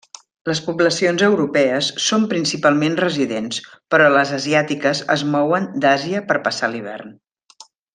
Les poblacions europees són principalment residents, però les asiàtiques es mouen d'Àsia per passar l'hivern.